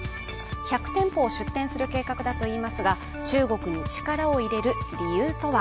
１００店舗を出店する計画だといいますが、中国に力を入れる理由とは。